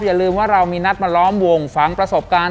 อย่าลืมว่าเรามีนัดมาล้อมวงฝังประสบการณ์